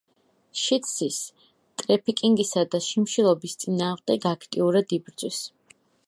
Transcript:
შიდსის, ტრეფიკინგისა და შიმშილობის წინააღმდეგ აქტიურად იბრძვის.